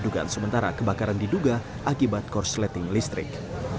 dugaan sementara kebakaran diduga akibat korsleting listrik